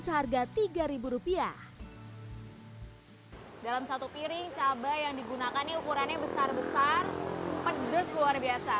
seharga tiga ribu rupiah dalam satu piring cabai yang digunakan ini ukurannya besar besar pedes luar biasa